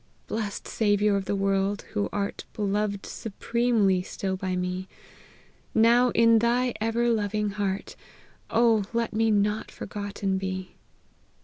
Blest Saviour of the world ! who art Beloved supremely still by me, Now, in thy ever loving heart, Oh let me not forgotten be